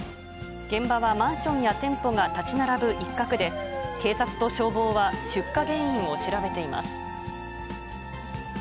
現場はマンションや店舗が建ち並ぶ一角で、警察と消防は出火原因を調べています。